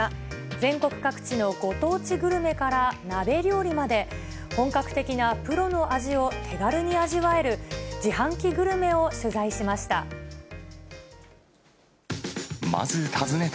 全国各地のご当地グルメから、鍋料理まで、本格的なプロの味を手軽に味わえる自販機グルメを取材しました。